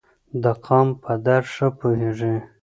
د قام په درد ښه پوهیږي.